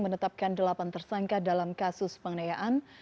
menetapkan delapan tersangka dalam kasus pengenayaan